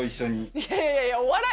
いやいやいや、お笑い？